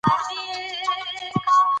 دښتې د دوامداره پرمختګ لپاره اړینې دي.